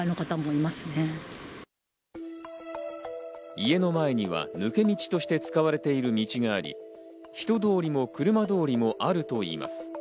家の前には抜け道として使われている道があり、人通りも車通りもあるといいます。